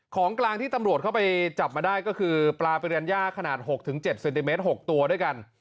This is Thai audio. ของกลางที่ตำรวจเข้าไปจับมาได้ก็คือปลาประเรียนย่าขนาด๖๗เซนติเมตร๖ตัวด้วยกัน